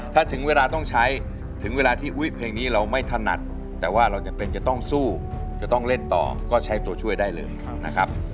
ถ้าถึงเวลาต้องใช้ถึงเวลาที่อุ๊ยเพลงนี้เราไม่ถนัดแต่ว่าเราจำเป็นจะต้องสู้จะต้องเล่นต่อก็ใช้ตัวช่วยได้เลยนะครับ